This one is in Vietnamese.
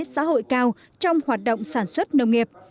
xã hội cao trong hoạt động sản xuất nông nghiệp